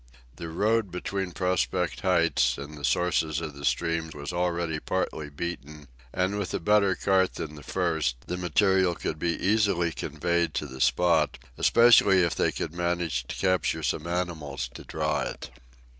The road between Prospect Heights and the sources of the stream was already partly beaten, and with a better cart than the first, the material could be easily conveyed to the spot, especially if they could manage to capture some animals to draw it.